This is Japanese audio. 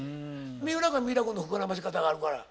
三浦君は三浦君の膨らまし方があるから。